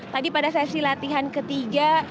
tadi pada sesi latihan ketiga